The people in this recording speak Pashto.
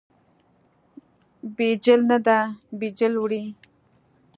بیجل نه ده، بیجل وړي.